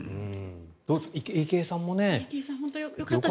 どうですか、池江さんもね。よかった。